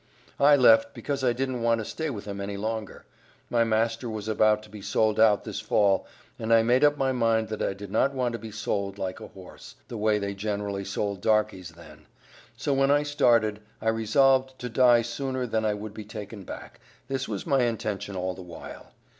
"I left because I didn't want to stay with him any longer. My master was about to be sold out this Fall, and I made up my mind that I did not want to be sold like a horse, the way they generally sold darkies then; so when I started I resolved to die sooner than I would be taken back; this was my intention all the while.